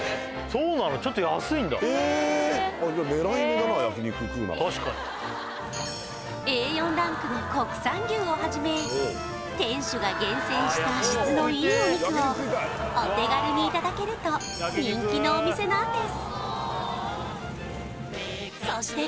そうなの確かにＡ４ランクの国産牛をはじめ店主が厳選した質のいいお肉をお手軽にいただけると人気のお店なんですそして